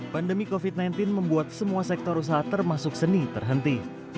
pandemi covid sembilan belas membuat semua sektor usaha termasuk seni terhenti